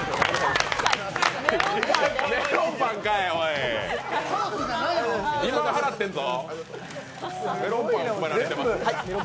メロンパンかい、２万払ってんぞ。